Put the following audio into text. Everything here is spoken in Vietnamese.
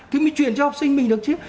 thì mới truyền cho học sinh mình được chứ